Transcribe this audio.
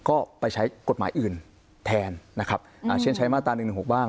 ก็ไปใช้กฎหมายอื่นแทนนะครับเช่นใช้มาตรา๑๑๖บ้าง